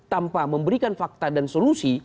tanpa memberikan fakta dan solusi